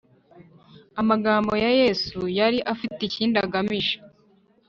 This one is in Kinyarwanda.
amagambo ya yesu yari afite ikindi agamije